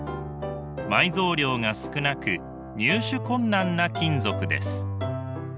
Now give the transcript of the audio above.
埋蔵量が少なく入手困難な金属です。